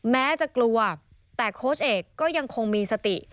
แม้จะกลัวแต่โค้ชเอกก็ยังคงมีสติ